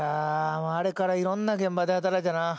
もうあれからいろんな現場で働いたな。